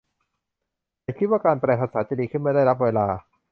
ฉันคิดว่าการแปลภาษาจะดีขึ้นเมื่อได้รับเวลา